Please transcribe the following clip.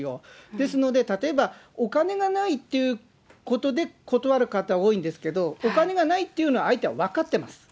ですので、例えば、お金がないっていうことで断る方多いんですけれども、お金がないというのは、相手は分かってます。